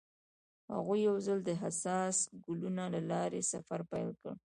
هغوی یوځای د حساس ګلونه له لارې سفر پیل کړ.